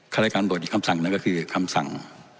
ฆฤกัลละการบทอีกคำสั่งนั่นก็คือคำสั่ง